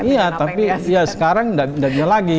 iya tapi sekarang tidak lagi